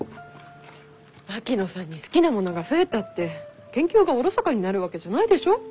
槙野さんに好きなものが増えたって研究がおろそかになるわけじゃないでしょ？